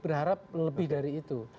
berharap lebih dari itu